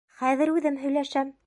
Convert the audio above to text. Хәҙер үҙем һөйләшәм!